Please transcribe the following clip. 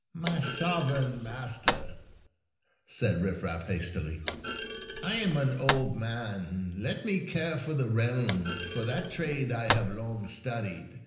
" My sovereign master," said Rifraf hastily, " I am an old man. Let me care for the realm, for that trade I have long studied.